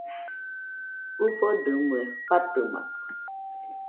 ɨfodɨmɨe fatɨmakɨ